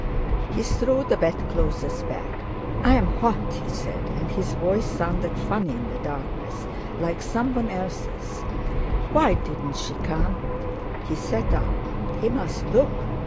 He threw the bedclothes back. "I'm hot!" he said, and his voice sounded funny in the darkness, like someone else's. Why didn't she come? He sat up. He must look!